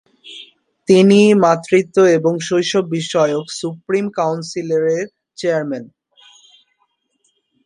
তিনি মাতৃত্ব এবং শৈশব বিষয়ক সুপ্রিম কাউন্সিলের চেয়ারম্যান।